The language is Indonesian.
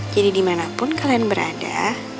jadi dimanapun kalian berada